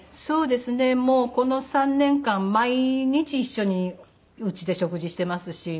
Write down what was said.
もうこの３年間毎日一緒にうちで食事してますし。